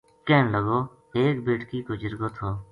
کہن لگو ایک بیٹکی کو جِرگو تھو